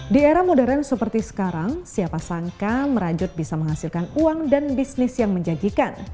di era modern seperti sekarang siapa sangka merajut bisa menghasilkan uang dan bisnis yang menjanjikan